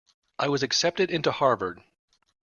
I was accepted into Harvard!